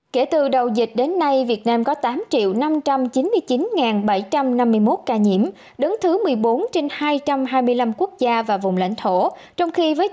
kể từ đầu dịch đến nay việt nam có tám năm trăm chín mươi chín bảy trăm năm mươi một ca nhiễm đứng thứ một mươi bốn trên hai trăm hai mươi năm quốc gia và vùng lãnh thổ